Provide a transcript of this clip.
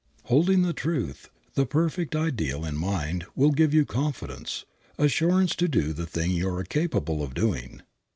Holding the truth, the perfect ideal, in mind will give you confidence, assurance to do the thing you are capable of doing.